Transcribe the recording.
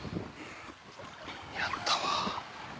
やったわ。